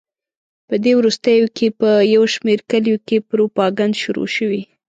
په دې وروستیو کې په یو شمېر کلیو کې پروپاګند شروع شوی.